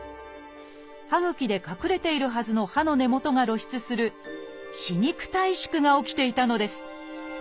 歯ぐきで隠れているはずの歯の根元が露出する「歯肉退縮」が起きていたのです。